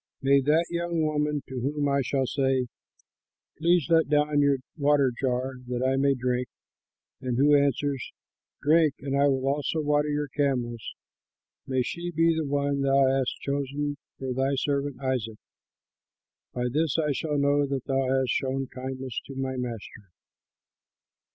May that young woman to whom I shall say, 'Please let down your water jar that I may drink'; and who answers, 'Drink and I will also water your camels,' may she be the one thou hast chosen for thy servant Isaac. By this I shall know that thou hast shown kindness to my master."